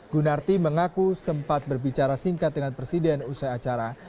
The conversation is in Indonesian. gunarti mengaku sempat berbicara singkat dengan presiden usai acara